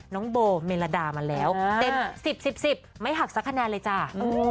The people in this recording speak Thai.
น้องโบลเมล็ดามาแล้วเต็มสิบไม่หักสักคะแนนเลยจ้า